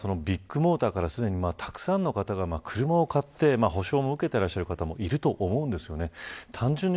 ビッグモーターからすでにたくさんの方が車を買って補償も受けている方もいると思うんです。